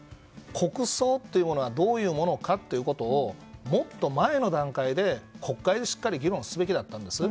国葬というものはどういうものかということをもっと前の段階で国会でしっかり議論するべきだったんです。